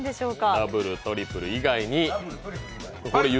ダブル、トリプル以外に。